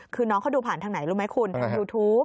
คือน้องเขาดูผ่านทางไหนรู้ไหมคุณทางยูทูป